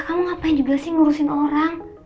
kamu ngapain juga sih ngurusin orang